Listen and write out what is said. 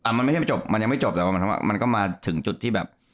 มันไม่ใช่ไม่จบมันยังไม่จบแต่ว่ามันก็มาถึงจุดที่แบบ